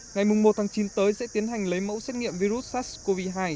ngày một tháng chín tới sẽ tiến hành lấy mẫu xét nghiệm virus sars cov hai